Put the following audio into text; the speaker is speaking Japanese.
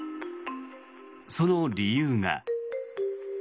その理由が。